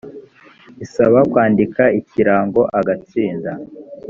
isaba kwandika ikirango agatsinda